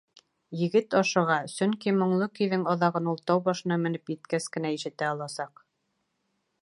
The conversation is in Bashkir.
Егет ашыға, сөнки моңло көйҙөң аҙағын ул тау башына менеп еткәс кенә ишетә аласаҡ.